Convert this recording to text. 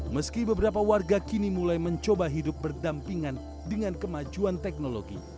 meski beberapa warga kini mulai mencoba hidup berdampingan dengan kemajuan teknologi